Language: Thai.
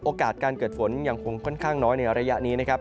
โอกาสการเกิดฝนยังคงค่อนข้างน้อยในระยะนี้นะครับ